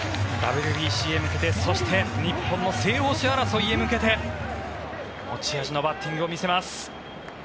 ＷＢＣへ向けてそして日本の正捕手争いへ向けて持ち味のバッティングを見せます。